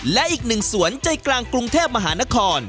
และอีกหนึ่งสวนใจกลางกรุงเทพมหานคร